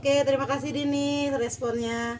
oke terima kasih dini responnya